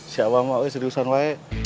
siapa yang mau sedih saya